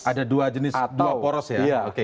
ada dua jenis dua poros ya